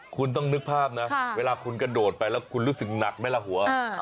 คุณต้องนึกภาพนะเวลาคุณกระโดดไปแล้วคุณรู้สึกหนักไหมล่ะหัว